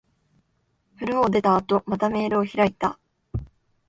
風呂を出た後、またメールを開いた。